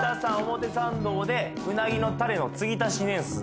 表参道でうなぎのタレの継ぎ足し年数